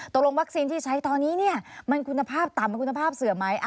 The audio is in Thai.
ตกลงวัคซีนที่ใช้ตอนนี้เนี่ยมันคุณภาพต่ำคุณภาพเสื่อมไหม